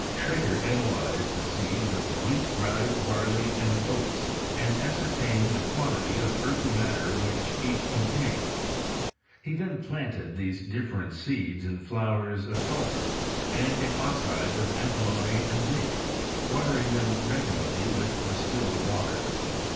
Schrader analyzed the seeds of wheat, rye, barley, and oats, and ascertained the quantity of earthy matter which each contained. He then planted these different seeds in flowers of sulphur, and in oxides of antimony and zinc, water ing them regularly with distilled water.